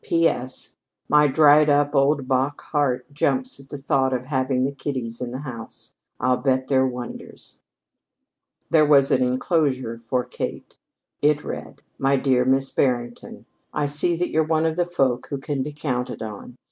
"P.S. My dried up old bach heart jumps at the thought of having the kiddies in the house. I'll bet they're wonders." There was an inclosure for Kate. It read: "MY DEAR MISS BARRINGTON: "I see that you're one of the folk who can be counted on.